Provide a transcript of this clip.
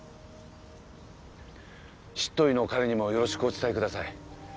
執刀医の彼にもよろしくお伝えください